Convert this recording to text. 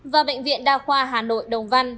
và bệnh viện đa khoa hà nội đồng văn